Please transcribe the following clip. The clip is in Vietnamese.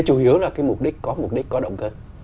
chủ yếu là cái mục đích có mục đích có động cơ